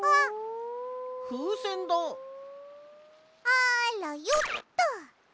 あらよっと！